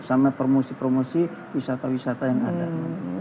sama promosi promosi wisata wisata yang ada